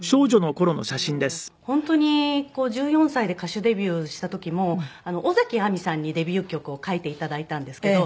本当に１４歳で歌手デビューした時も尾崎亜美さんにデビュー曲を書いて頂いたんですけど。